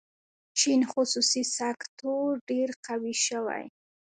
چین خصوصي سکتور ډېر قوي شوی.